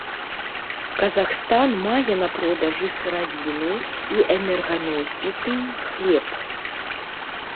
Казахстан мае на продаж і сыравіну, і энерганосьбіты, і хлеб.